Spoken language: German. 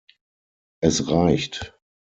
Es reicht«.